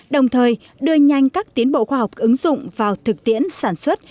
đồng thời đưa nhanh các tiến bộ khoa học ứng dụng vào thực tiễn sản xuất